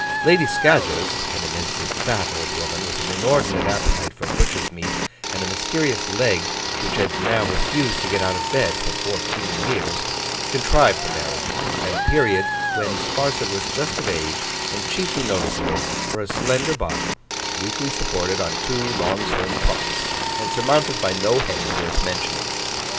Lady Scadgers (an immensely fat old woman, with an inordinate appetite for butcher's meat, and a mysterious leg which had now refused to get out of bed for fourteen years) contrived the marriage, at a period when Sparsit was just of age, and chiefly noticeable for a slender body, weakly supported on two long slim props, and surmounted by no head worth mentioning.